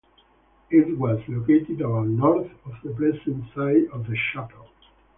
It was located about north of the present site of the chapel.